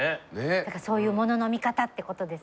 だからそういう物の見方ってことですよね。